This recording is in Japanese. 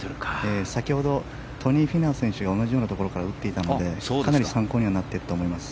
先ほどトニー・フィナウ選手が同じようなところから打っていたので、かなり参考になってると思います。